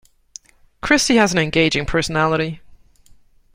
Christy has an engaging personality.